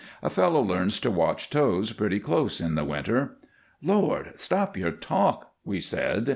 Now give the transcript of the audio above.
A fellow learns to watch toes pretty close in the winter. "Lord! stop your talk," we said.